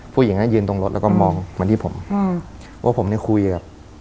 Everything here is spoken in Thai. ผู้หญิงนั้นยืนตรงรถแล้วก็มองมาที่ผมว่าผมเนี่ยคุยกับ